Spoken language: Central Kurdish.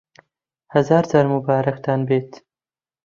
هەزار جار موبارەکتان بێت